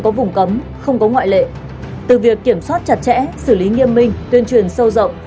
có vùng cấm không có ngoại lệ từ việc kiểm soát chặt chẽ xử lý nghiêm minh tuyên truyền sâu rộng